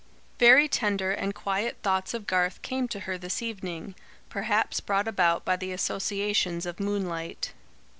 Very tender and quiet thoughts of Garth came to her this evening, perhaps brought about by the associations of moonlight.